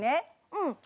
うん。